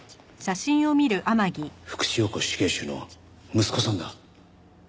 福地陽子死刑囚の息子さんだ。